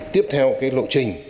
tiếp theo cái lộ trình